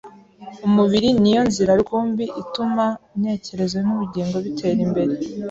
Umubiri ni yo nzira rukumbi ituma intekerezo n’ubugingo bitera imbere